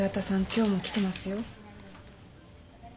今日も来てますよ。